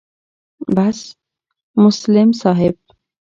بس مسلم صاحب